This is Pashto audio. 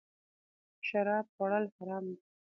شراب خوړل حرام دی